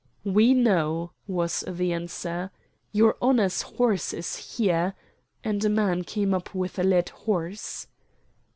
"We know," was the answer. "Your Honor's horse is here" and a man came up with a led horse.